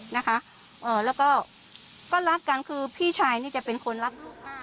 นะคะโอเคเอ่อแล้วก็ก็รับกันคือพี่ชายนี่จะเป็นคนรัก